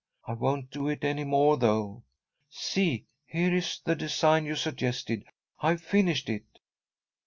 I won't do it any more, though. See! Here is the design you suggested. I've finished it."